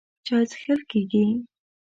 چای څښل کېږي.